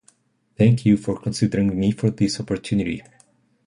Thank you for considering me for this opportunity.